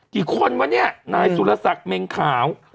กี่คนวะเนี่ยนายสุรศักดิ์เมงขาว